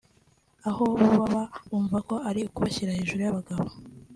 aho bo baba bumva ko ari ukubashyira hejuru y’abagabo